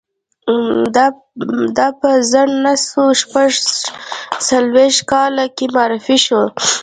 دا په زر نه سوه شپږ څلویښت کال کې معرفي شو